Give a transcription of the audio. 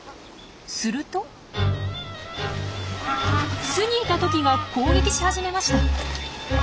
すると巣にいたトキが攻撃し始めました。